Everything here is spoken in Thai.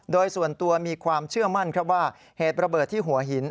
โดยส่วนตัวมีความเชื่อมั่นครับว่าเหตุระเบิดที่หัวหิน